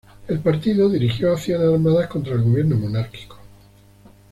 El partido dirigió acciones armadas contra el gobierno monárquico.